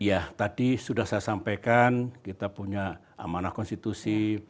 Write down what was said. iya tadi sudah saya sampaikan kita punya amanah konstitusi